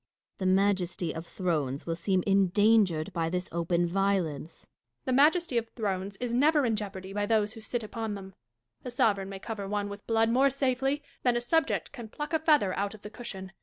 Dashkof. The majesty of thrones will seem endangered by this open violence. Catharine. The majesty of thrones is never in jeopardy by those who sit upon them. A sovereign may cover one with blood more safely than a subject can pluck a feather out of the cushion.